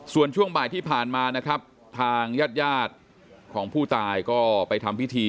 ส่วนช่วงบ่ายที่ผ่านมานะครับทางญาติญาติของผู้ตายก็ไปทำพิธี